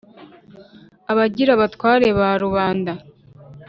Abagira abatware ba rubanda